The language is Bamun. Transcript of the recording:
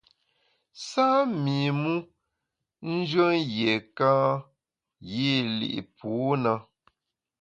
Sâ mi mu njùen yiéka yî li’ pû na.